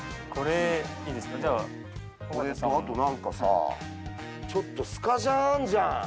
これいいですかじゃあこれとあとなんかさちょっとスカジャンあんじゃん！